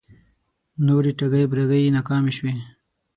نورې ټگۍ برگۍ یې ناکامې شوې